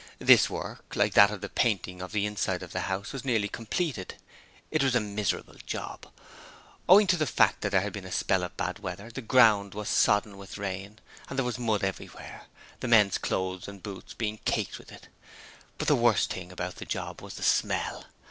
This work, like that of the painting of the inside of the house, was nearly completed. It was a miserable job. Owing to the fact that there had been a spell of bad weather the ground was sodden with rain and there was mud everywhere, the men's clothing and boots being caked with it. But the worst thing about the job was the smell.